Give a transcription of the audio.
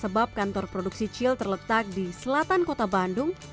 sebab kantor produksi cil terletak di selatan kota bandung